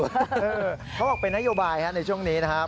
เขาบอกเป็นนโยบายในช่วงนี้นะครับ